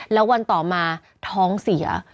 แล้ววันต่อมาท้องเสีย